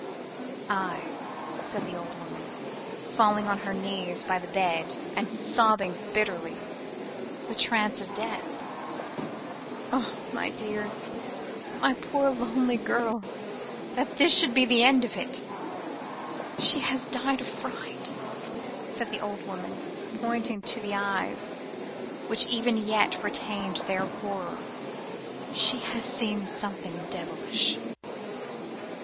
"Ay," said the old woman, falling on her knees by the bed and sobbing bitterly, "the trance of death. Ah, my dear, my poor lonely girl, that this should be the end of it! She has died of fright," said the old woman, pointing to the eyes, which even yet retained their horror. "She has seen something devilish."